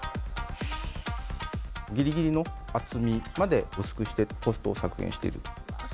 ぎりぎりの厚みまで薄くして、コストを削減していると。